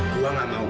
gua gak mau